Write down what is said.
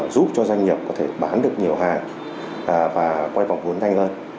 giúp cho doanh nghiệp có thể bán được nhiều hàng và quay vòng vốn nhanh hơn